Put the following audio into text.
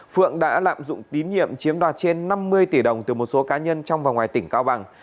phượng đã lạm dụng tín nhiệm chiếm đoạt trên năm mươi tỷ đồng từ một số cá nhân trong và ngoài tỉnh cao bằng